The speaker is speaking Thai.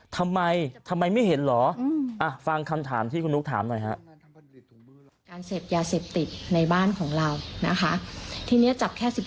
ทำไมไม่เห็นหรอฟังคำถามที่คุณลุกถามหน่อยครับ